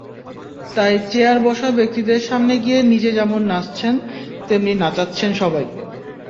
তাই চেয়ার বসা ব্যক্তিদের সামনে গিয়ে নিজে যেমন নাচছেন, তেমনি নাচাচ্ছেন সবাইকে।